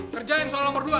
kerjain soal nomor dua